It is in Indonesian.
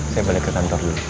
saya balik ke kantor dulu